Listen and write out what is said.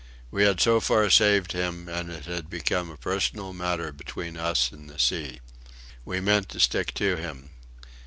We had so far saved him; and it had become a personal matter between us and the sea. We meant to stick to him.